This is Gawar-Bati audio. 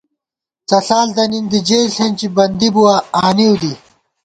څݪال دَنِین دی جېل ݪېنچی بندی بُوَہ آنِؤ دِی